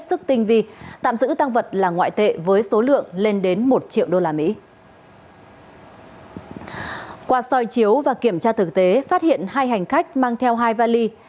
qua soi chiếu và kiểm tra thực tế phát hiện hai hành khách mang theo hai vali